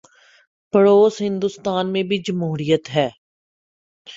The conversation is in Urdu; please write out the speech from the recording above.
پڑوس ہندوستان میں بھی جمہوریت ہے۔